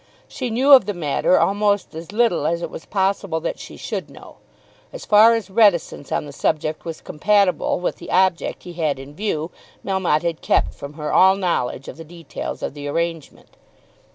She knew of the matter almost as little as it was possible that she should know. As far as reticence on the subject was compatible with the object he had in view Melmotte had kept from her all knowledge of the details of the arrangement.